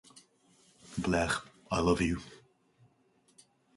Blair, I love you.